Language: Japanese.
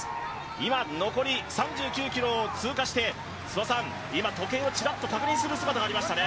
今、残り３９ｋｍを通過して、時計をちらっと確認する姿がありましたね。